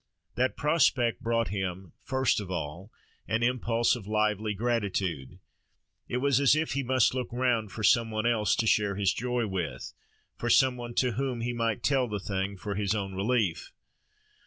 That prospect brought him, first of all, an impulse of lively gratitude: it was as if he must look round for some one else to share his joy with: for some one to whom he might tell the thing, for his own relief.